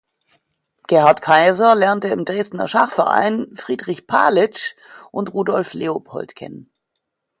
Gerhard Kaiser lernte im Dresdner Schachverein Friedrich Palitzsch und Rudolf Leopold kennen.